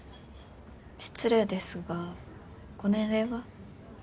失礼ですがご年齢は？